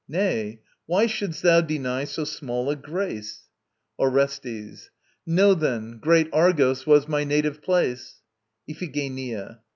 Nay: why shouldst thou deny so small a grace? ORESTES. Know then, great Argos was my native place. IPHIGENIA.